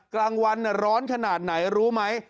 กลางวันร้อนขนาดไหนรู้ไหม